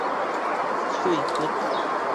喙滑